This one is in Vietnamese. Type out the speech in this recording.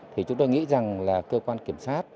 thì chúng tôi nghĩ rằng là cơ quan kiểm soát